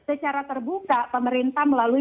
secara terbuka pemerintah melalui